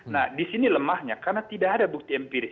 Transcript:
nah di sini lemahnya karena tidak ada bukti empiris